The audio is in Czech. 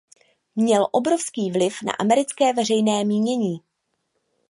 Měl obrovský vliv na americké veřejné mínění.